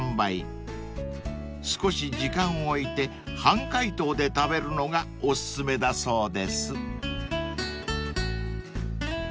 ［少し時間を置いて半解凍で食べるのがお勧めだそうです］